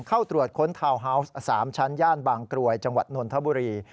เข้าตรวจค้นทาวน์ฮาวส์๓ชั้นย่านบางกรวยจังหวัดนนทบุรี